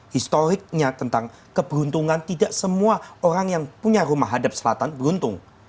historiknya tentang keberuntungan tidak semua orang yang punya rumah hadap selatan beruntung